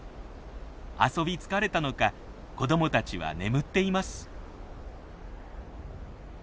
遊び疲れたのか子どもたちは眠っています。